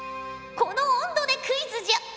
この温度でクイズじゃ！